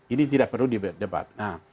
ini tidak perlu di debat